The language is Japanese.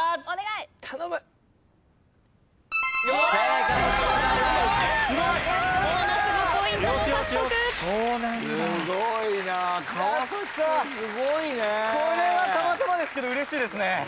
これはたまたまですけどうれしいですね。